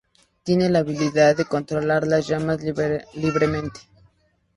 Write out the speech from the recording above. Tiene la habilidad de controlar las llamas libremente.